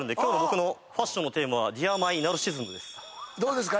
どうですか？